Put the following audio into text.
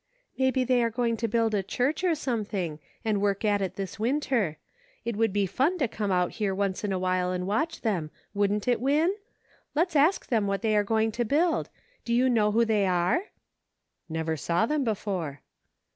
" Maybe they are going to build a church, or something, and to work at it this winter. It would be fun to come out here once in a while and watch them, wouldn't it. Win ? Let's ask them what they are going to build. Do you know who they are ?" Never saw them before."